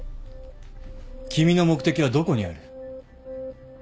君の目的はどこにある？